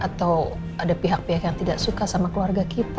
atau ada pihak pihak yang tidak suka sama keluarga kita